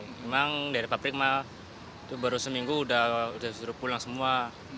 memang dari pabrik malam baru seminggu sudah suruh pulang semua